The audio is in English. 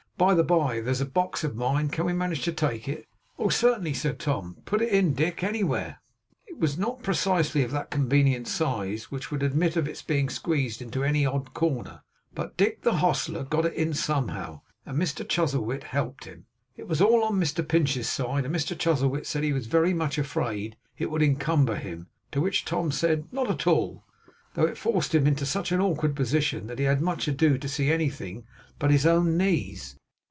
'By the bye, there's a box of mine. Can we manage to take it?' 'Oh, certainly,' said Tom. 'Put it in, Dick, anywhere!' It was not precisely of that convenient size which would admit of its being squeezed into any odd corner, but Dick the hostler got it in somehow, and Mr Chuzzlewit helped him. It was all on Mr Pinch's side, and Mr Chuzzlewit said he was very much afraid it would encumber him; to which Tom said, 'Not at all;' though it forced him into such an awkward position, that he had much ado to see anything but his own knees.